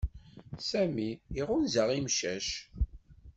Sami iɣunza imcac.